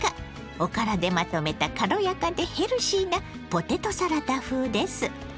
おからでまとめた軽やかでヘルシーなポテトサラダ風です。